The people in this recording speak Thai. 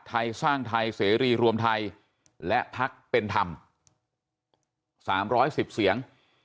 ไทยสร้างไทยเสรีรวมไทยและพักเป็นธรรม๓๑๐เสียง